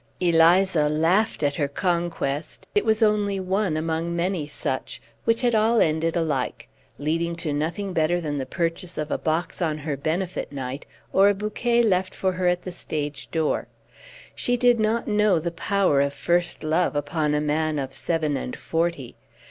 Eliza laughed at her conquest; it was only one among many such, which had all ended alike leading to nothing better than the purchase of a box on her benefit night, or a bouquet left for her at the stage door. She did not know the power of first love upon a man of seven and forty.